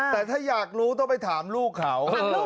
แต่ถ้าอยากรู้ต้องไปถามลูกเขา